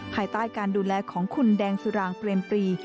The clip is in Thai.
ภายใต้การดูแลของคุณแดงสุรางเปรมปรี